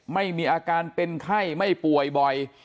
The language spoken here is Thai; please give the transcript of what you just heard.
ไม่มีอาการเป็นไข้ไม่ป่วยบ่อย